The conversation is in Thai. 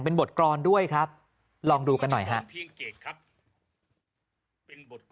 เป็นบทกรอนด้วยครับลองดูกันหน่อยครับ